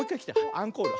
アンコール。